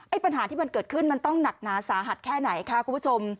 ปัญหาที่มันเกิดขึ้นมันต้องหนักหนาสาหัสแค่ไหนคะคุณผู้ชม